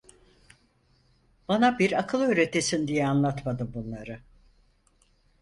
Bana bir akıl öğretesin diye anlatmadım bunları…